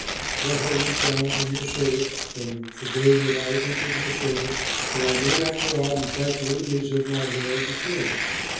What have you found in your servant from the day that I entered your service, that I may not go out and fight the enemies of my lord the king?"